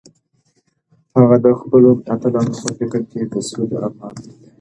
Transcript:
هغه د خپلو اتلانو په فکر کې د سولې ارمان لیده.